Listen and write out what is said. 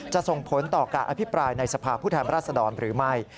จะส่งผลต่อการอภิปรายในสภาพพุทธธรรมราษฎรหรือไม่